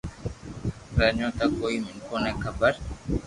پر اڄو تڪ ڪوئي مينکو ني خبر